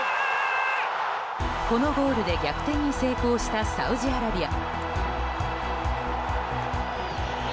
このゴールで逆転に成功したサウジアラビア。